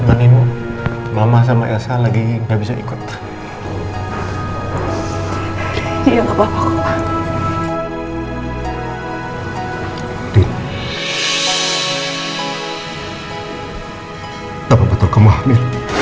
aku sama sekali gak nyangka andi